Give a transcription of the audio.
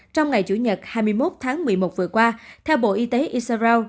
trong ngày chủ nhật hai mươi một tháng một mươi một vừa qua theo bộ y tế isarau